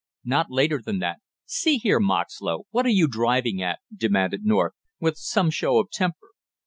"Not later than that see here, Moxlow, what are you driving at?" demanded North, with some show of temper.